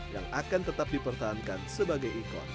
yang akan tetap dipertahankan sebagai ikon